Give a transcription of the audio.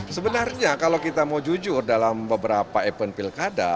sebenarnya kalau kita mau jujur dalam beberapa event pilkada